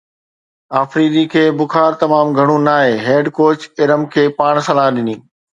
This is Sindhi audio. آفريدي کي بخار تمام گهڻو ناهي، هيڊ ڪوچ ارم کي پاڻ صلاح ڏني